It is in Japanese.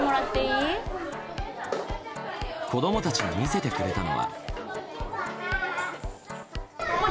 子供たちが見せてくれたのは。